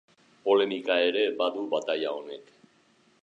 Polemika ere badu bataila honek.